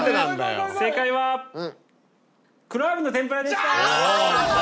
正解は黒アワビの天ぷらでした。